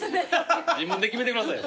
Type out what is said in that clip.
自分で決めてくださいよ。